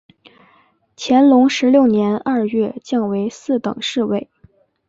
乾隆十六年二月降为四等侍卫。